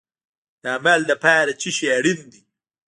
د عمل لپاره څه شی اړین دی؟